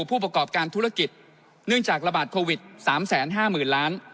ผู้ประกอบการธุรกิจเนื่องจากระบาดโควิด๓๕๐๐๐ล้าน